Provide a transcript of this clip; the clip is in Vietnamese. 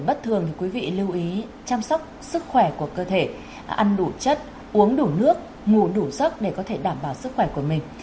bất thường quý vị lưu ý chăm sóc sức khỏe của cơ thể ăn đủ chất uống đủ nước ngủ đủ sức để có thể đảm bảo sức khỏe của mình